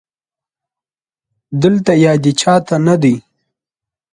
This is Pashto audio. دلته يادې چا ته نه دي